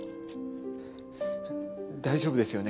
大丈夫ですよね？